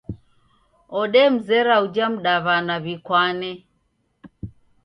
Odemzera uja mdaw'ana w'ikwane